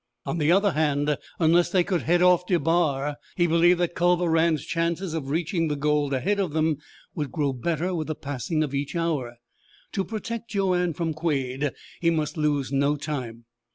On the other hand, unless they could head off DeBar, he believed that Culver Rann's chances of reaching the gold ahead of them would grow better with the passing of each hour. To protect Joanne from Quade he must lose no time.